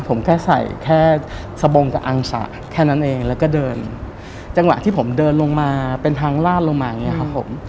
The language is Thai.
ผมแค่ใส่แค่สบงกับอังสะแค่นั้นเองแล้วก็เดินจังหวะที่ผมเดินลงมาเป็นทางลาดลงมาอย่างเงี้ครับผม